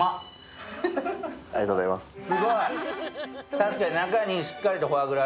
確かに中にしっかりとフォアグラ。